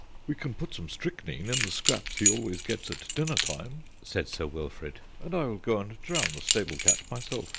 "We can put some strychnine in the scraps he always gets at dinner time," said Sir Wilfrid, "and I will go and drown the stable cat myself.